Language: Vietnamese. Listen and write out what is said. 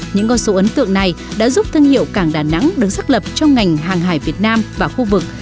những con số ấn tượng này đã giúp thương hiệu cảng đà nẵng được xác lập trong ngành hàng hải việt nam và khu vực